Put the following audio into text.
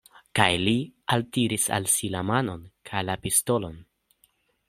Kaj li altiris al si la manon kaj la pistolon.